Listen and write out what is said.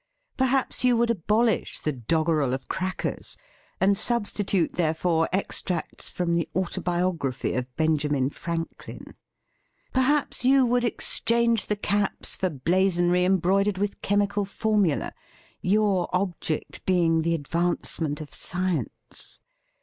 Perhaps you would abolish the doggerel of crackers, and substitute therefor extracts from the Autobio graphy of Benjamin Franklin! Per haps you would exchange the caps for blazonry embroidered with chemical formula, your object being the ad vancement of science!